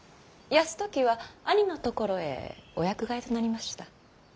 泰時は兄のところへお役替えとなりました。